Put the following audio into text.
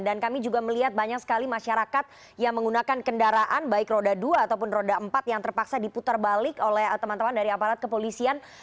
dan kami juga melihat banyak sekali masyarakat yang menggunakan kendaraan baik roda dua ataupun roda empat yang terpaksa diputar balik oleh teman teman dari aparat kepolisian